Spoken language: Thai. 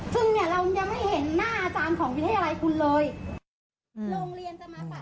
ซึ่งเนี่ยเรายังไม่เห็นหน้าอาจารย์ของวิทยาลัยคุณเลย